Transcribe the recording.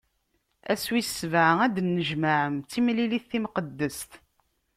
Ass wis sebɛa ad d-tennejmaɛem, d timlilit timqeddest.